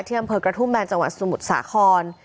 เชื่อมเผิดกระทุ่มแบนจังหวัดสมุทรสาคร